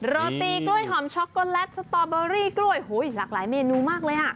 โรตีกล้วยหอมช็อกโกแลตสตอเบอรี่กล้วยหลากหลายเมนูมากเลยอ่ะ